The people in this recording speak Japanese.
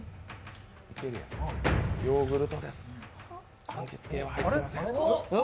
ヨーグルトです、かんきつ系は肺っていません。